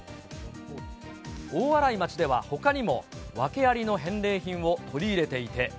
大洗町ではほかにも訳ありの返礼品を取り入れていて。